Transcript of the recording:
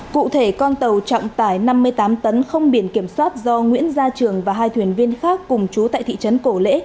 cụ thể con tàu trọng tải năm mươi tám tấn không biển kiểm soát do nguyễn gia trường và hai thuyền viên khác cùng chú tại thị trấn cổ lễ